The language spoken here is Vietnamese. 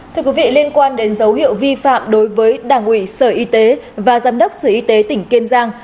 thưa quý vị liên quan đến dấu hiệu vi phạm đối với đảng ủy sở y tế và giám đốc sở y tế tỉnh kiên giang